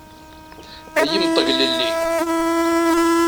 Ay imṭeglelli!